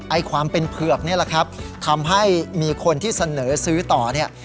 ความเป็นเผือกนี่แหละครับทำให้มีคนที่เสนอซื้อต่อเนี่ย